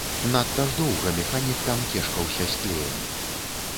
Надта ж доўга механік там кешкаўся з клеем.